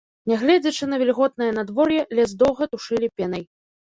Нягледзячы на вільготнае надвор'е, лес доўга тушылі пенай.